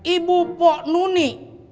ibu pok nuni